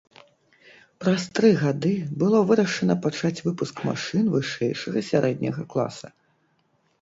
Праз тры гады было вырашана пачаць выпуск машын вышэйшага сярэдняга класа.